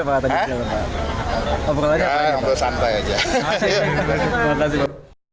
saya itu menceritakan miniatur politik indonesia sebetulnya